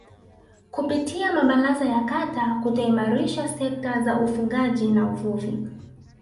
kupitia mabaraza ya Kata kutaimarisha sekta za ufugaji na uvuvi